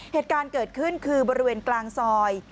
เหตุการณ์เกิดขึ้นคือบริเวณกลางซอย